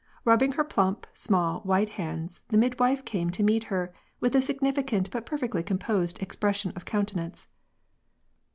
Rubbing her plump, small, white hands, the midwife came to meet her, with a significant but perfectly composed expres sion of countenance.